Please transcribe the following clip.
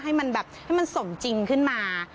ให้มันแบบให้มันสมจริงขึ้นมา